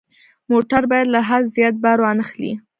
موټر باید له حد زیات بار وانه خلي.